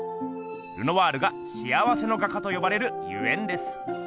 ルノワールが「幸せの画家」とよばれるゆえんです。